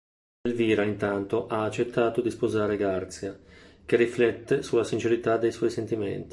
Elvira intanto ha accettato di sposare Garzia, che riflette sulla sincerità dei suoi sentimenti.